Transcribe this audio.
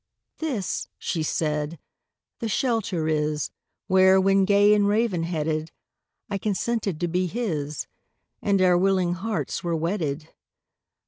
"This," she said, "the shelter is, Where, when gay and raven headed, I consented to be his, And our willing hearts were wedded.